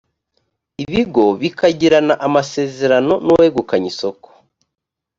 ibigo bikagirana amasezerano n’uwegukanye isoko